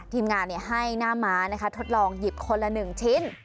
ทีมงานให้หน้าม้าทดลองหยิบคนละ๑ชิ้น